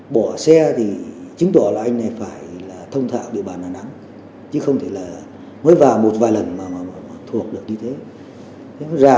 mục tiêu đặt ra là ra nghệ an phối hợp với nghệ an nhưng không lộ là đà nẵng ra